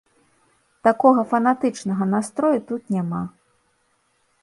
Такога фанатычнага настрою тут няма.